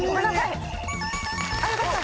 よかった！